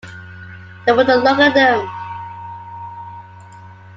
They wouldn't look at them.